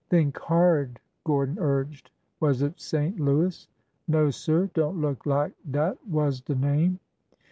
" Think hard !" Gordon urged. Was it St. Louis? " No, sir. Don't look lak dat was de name."